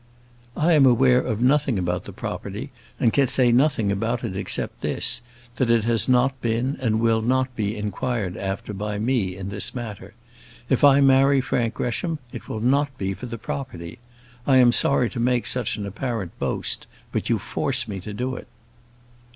"I am aware of nothing about the property, and can say nothing about it except this, that it has not been, and will not be inquired after by me in this matter. If I marry Frank Gresham, it will not be for the property. I am sorry to make such an apparent boast, but you force me to do it."